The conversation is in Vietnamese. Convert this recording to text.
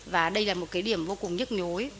và đây là một điểm vô cùng nhức nhối